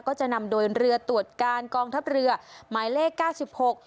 ก็จะนำโดยเรือตรวจการกองทัพเรือหมายเลขเก้าสิบหก